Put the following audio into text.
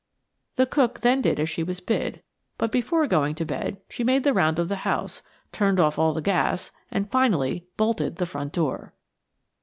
The cook then did as she was bid; but before going to bed she made the round of the house, turned off all the gas, and finally bolted the front door.